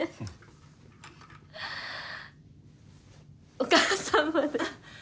お母さんまで。